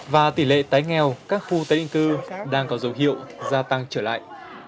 và tỷ lệ tái nghèo các khu tái định cư đang có dấu hiệu gia tăng trở lại